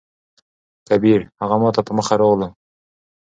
کبير: هغه ماته په مخه راغلو.